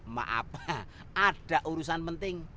maaf ada urusan penting